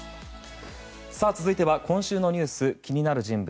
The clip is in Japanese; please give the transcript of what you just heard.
続いては今週のニュース気になる人物